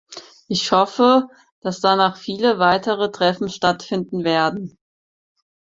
Ich hoffe, dass danach viele weitere Treffen stattfinden werden.